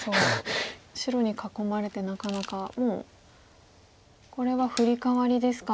白に囲まれてなかなかもうこれはフリカワリですか。